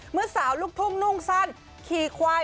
เมื่อสาวลูกทุ่งนุ่งสั้นขี่ควาย